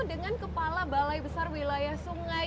dengan kepala balai besar wilayah sungai